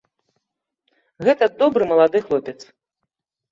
Гэта добры малады хлопец.